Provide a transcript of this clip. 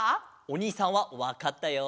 おにいさんはわかったよ。